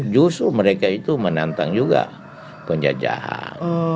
justru mereka itu menantang juga penjajahan